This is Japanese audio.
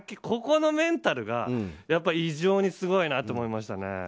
ここのメンタルが異常にすごいなと思いましたね。